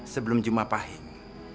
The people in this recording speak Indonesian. sebelum jumat pahing